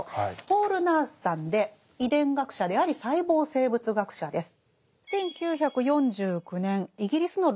ポール・ナースさんで遺伝学者であり細胞生物学者です。